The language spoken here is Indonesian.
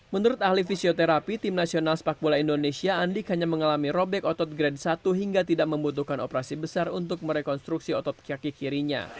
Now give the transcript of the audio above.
menurut ahli fisioterapi tim nasional sepak bola indonesia andik hanya mengalami robek otot grade satu hingga tidak membutuhkan operasi besar untuk merekonstruksi otot kaki kirinya